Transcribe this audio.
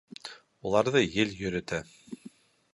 Уларҙы ел йөрөтә.